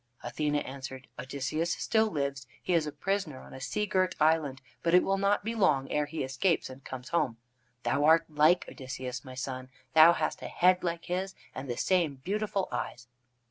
Athene answered: "Odysseus still lives. He is a prisoner on a sea girt island, but it will not be long ere he escapes and comes home. Thou art like Odysseus, my son. Thou hast a head like his, and the same beautiful eyes."